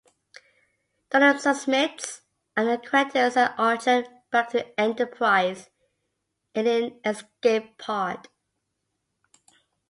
Dolim submits, and the Aquatics send Archer back to "Enterprise" in an escape pod.